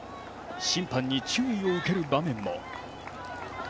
審判に注意を受ける場面も。